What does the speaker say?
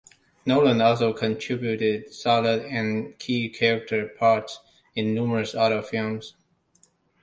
Nolan also contributed solid and key character parts in numerous other films.